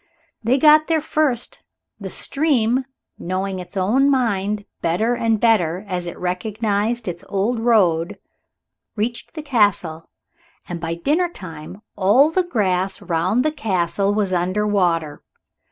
They got there first. The stream, knowing its own mind better and better as it recognized its old road, reached the Castle, and by dinner time all the grass round the Castle was under water.